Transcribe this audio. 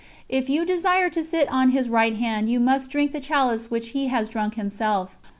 _If you desire to sit on His right hand you must drink the chalice which He has drunk Himself.